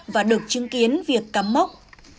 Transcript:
và được chứng kiến việc cắm mốc